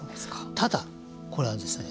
ただ、これはですね